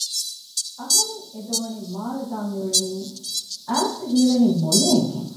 އަހަރެން އެދޯނިން މާލެ ދާން މިއުޅެނީ؟ އާންތު ހީވަނީ މޮޔައެއް ހެން